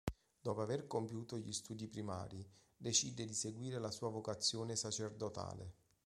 Dopo aver compiuto gli studi primari, decide di seguire la sua vocazione sacerdotale.